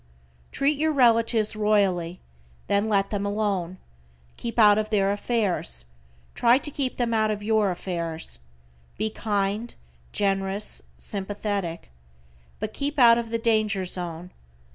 Treat your relatives royally, then let them alone. Keep out of their affairs, try to keep them out of your affairs. Be kind, generous, sympathetic. But keep out of the danger zone.